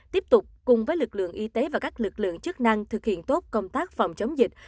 tiếp tục cùng với lực lượng y tế và các lực lượng chức năng thực hiện tốt công tác phòng chống dịch